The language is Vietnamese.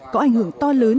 có ảnh hưởng to lớn